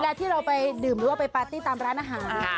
ที่เราไปดื่มหรือว่าไปปาร์ตี้ตามร้านอาหาร